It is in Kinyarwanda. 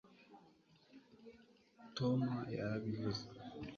tom yarabivuze